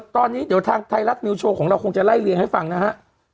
ตอนนี้ว้าวถ้ายังไหล่เลี้ยงไว้ฟังนะฮะ